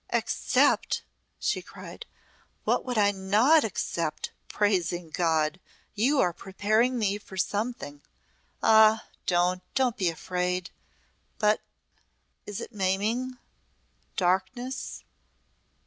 "Accept!" she cried. "What would I not accept, praising God! You are preparing me for something. Ah! don't, don't be afraid! But is it maiming darkness?"